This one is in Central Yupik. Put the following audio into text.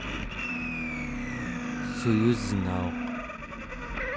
suyusngauq